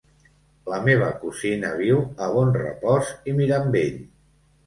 La meva cosina viu a Bonrepòs i Mirambell.